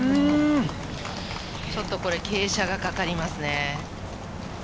ちょっとこれ傾斜がかかりますね。